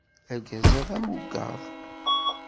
Argaz-a d amugaḍ.